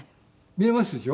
見えますでしょ？